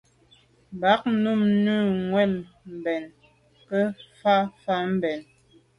Bam num njù njwèle mbèn nke nfà’ fà’ ben.